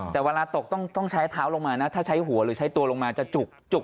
แต่เวลาตกต้องใช้เท้าลงมานะถ้าใช้หัวหรือใช้ตัวลงมาจะจุก